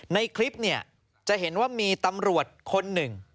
ในคลิปเนี่ยจะเห็นว่ามีตำรวจคนหนึ่ง